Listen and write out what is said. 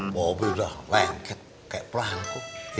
bopi udah lengket kayak pelan kok